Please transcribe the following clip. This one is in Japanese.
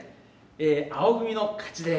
青組の勝ちです。